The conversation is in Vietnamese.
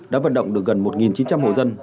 đã vận động được gần một chín trăm linh hộ dân